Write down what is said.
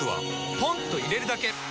ポンと入れるだけ！